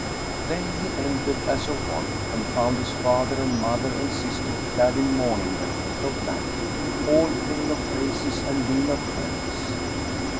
Then he entered, as of wont, and found his father and mother and sisters clad in mourning raiment of black, all pale of faces and lean of frames.